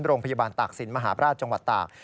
โรงพยาบาลตากศิลปมหาบราชจังหวัดตาก